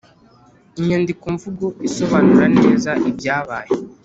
Inyandikomvugo isobanura neza ibyabaye